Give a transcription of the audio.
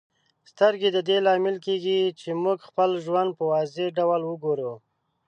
سترګې د دې لامل کیږي چې موږ خپل ژوند په واضح ډول وګورو.